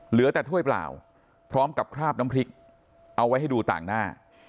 เหลือแต่ถ้วยเปล่าพร้อมกับคราบน้ำพริกเอาไว้ให้ดูต่างหน้า